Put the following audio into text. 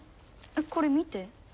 これ見て。